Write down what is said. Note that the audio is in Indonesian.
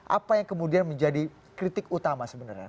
apa yang kemudian menjadi kritik utama sebenarnya